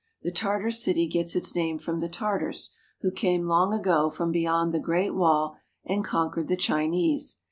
The Tartar city gets its name from the Tartars, who came, long ago, from beyond the Great Wall and conquered the Chinese.